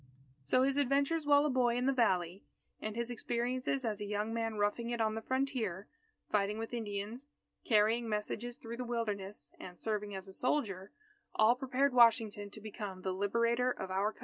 So his adventures while a boy in the Valley, and his experiences as a young man roughing it on the frontier, fighting with Indians, carrying messages through the Wilderness, and serving as a soldier, all prepared Washington to become the Liberator of our Country.